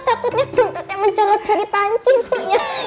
takutnya buntu mencolot dari panci bu ya